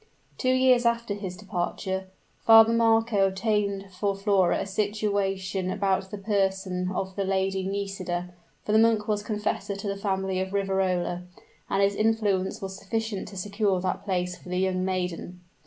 Two years after his departure, Father Marco obtained for Flora a situation about the person of the Lady Nisida; for the monk was confessor to the family of Riverola, and his influence was sufficient to secure that place for the young maiden.